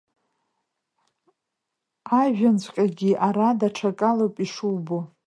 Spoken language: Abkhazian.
Ажәҩанҵәҟьагьы ара даҽакалоуп ишубо.